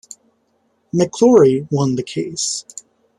McClory won the case.